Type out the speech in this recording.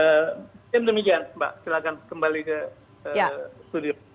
dan demikian mbak silahkan kembali ke studio